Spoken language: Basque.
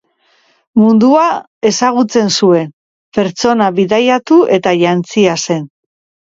Mundua ezagutzen zuen pertsona bidaiatu eta jantzia zen.